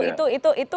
itu itu itu